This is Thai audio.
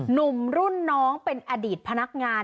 หนุ่มรุ่นน้องเป็นอดีตพนักงาน